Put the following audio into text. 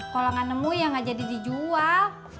kalau gak nemu ya gak jadi dijual